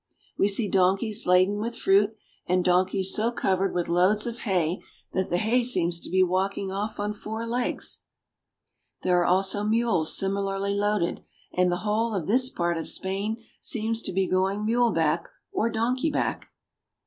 We see donkeys laden with fruit, and donkeys so covered with loads of hay that the hay seems to be walk ing off on four legs. There are also mules similarly loaded, and the whole of this part of Spain seems to be going mule back or donkey back.